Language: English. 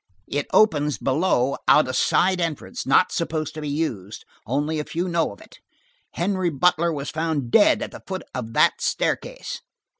It opens below, out a side entrance, not supposed to be used. Only a few know of it. Henry Butler was found dead at the foot of that staircase."